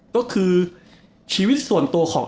ก็คือชีวิตส่วนตัวของ